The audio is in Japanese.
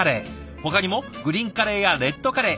ほかにもグリーンカレーやレッドカレー